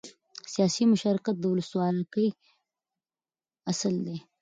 سیاسي مشارکت د ولسواکۍ اصل دی